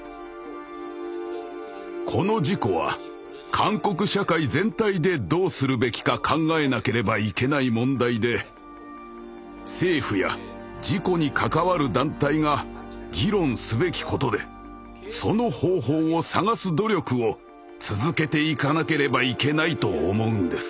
この事故は韓国社会全体でどうするべきか考えなければいけない問題で政府や事故に関わる団体が議論すべきことでその方法を探す努力を続けていかなければいけないと思うんです。